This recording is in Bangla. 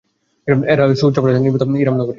এটাই সুউচ্চ প্রাসাদ নির্মিত ইরাম নগরী।